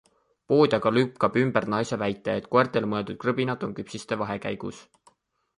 Pood aga lükkab ümber naise väite, et koertele mõeldud krõbinad on küpsiste vahekäigus.